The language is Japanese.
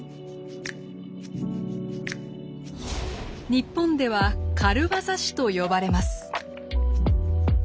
日本では軽業師と呼ばれます。